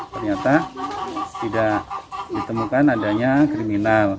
ternyata tidak ditemukan adanya kriminal